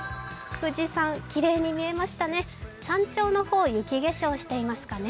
富士山きれいに見えましたね、山頂の方、雪化粧していますかね。